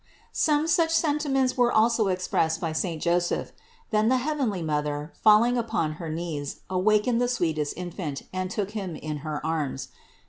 613. Some such sentiments were also expressed by saint Joseph. Then the heavenly Mother, falling upon her knees, awakened the sweetest Infant, and took Him in her arms.